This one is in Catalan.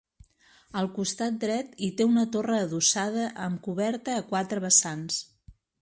Al costat dret hi té una torre adossada amb coberta a quatre vessants.